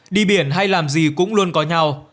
đi biển hay làm gì cũng luôn có nhau